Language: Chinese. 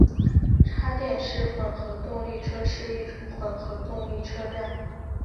插电式混合动力车是一种混合动力车辆。